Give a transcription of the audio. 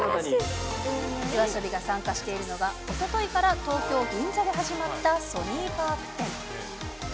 ＹＯＡＳＯＢＩが参加しているのは、おとといから、東京・銀座で始まったソニーパーク展。